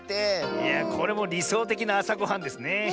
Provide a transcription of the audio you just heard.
いやこれもりそうてきなあさごはんですね。